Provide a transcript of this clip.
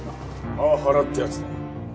パワハラってやつだな。